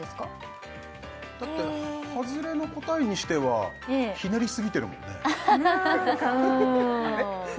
えだってハズレの答えにしてはひねりすぎてるもんねなんかうーんあれ？